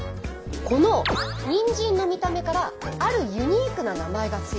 このにんじんの見た目からあるユニークな名前が付いています。